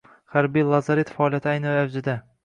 Harbiy lazaret faoliyati ayni avjida.